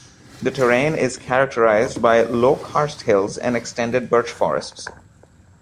The terrain is characterised by low karst hills and extended birch forests.